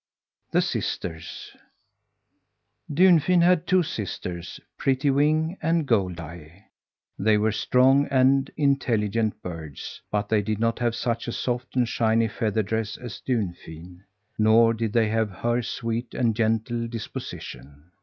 THE SISTERS Dunfin had two sisters, Prettywing and Goldeye. They were strong and intelligent birds, but they did not have such a soft and shiny feather dress as Dunfin, nor did they have her sweet and gentle disposition.